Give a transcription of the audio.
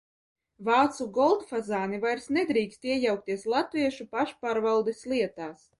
"Vācu "goldfazāni" vairs nedrīkst iejaukties latviešu pašpārvaldes lietās."